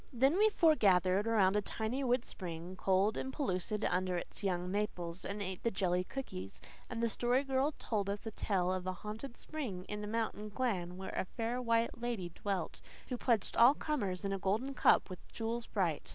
Then we foregathered around a tiny wood spring, cold and pellucid under its young maples, and ate the jelly cookies; and the Story Girl told us a tale of a haunted spring in a mountain glen where a fair white lady dwelt, who pledged all comers in a golden cup with jewels bright.